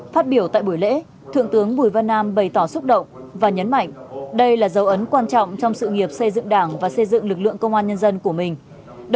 phát biểu tại buổi lễ thượng tướng bùi văn nam bày tỏ xúc động và nhấn mạnh đây là dấu ấn quan trọng trong sự nghiệp xây dựng đảng và xây dựng lực lượng công an nhân dân của mình